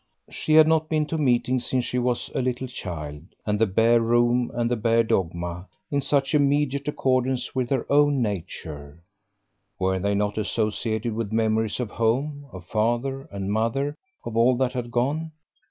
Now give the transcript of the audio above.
She had not been to meeting since she was a little child; and the bare room and bare dogma, in such immediate accordance with her own nature were they not associated with memories of home, of father and mother, of all that had gone?